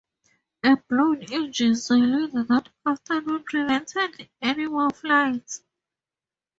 A blown engine cylinder that afternoon prevented any more flights.